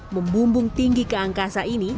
membumbung tinggi ke angkasa ini